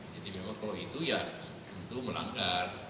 jadi memang kalau itu ya tentu melanggar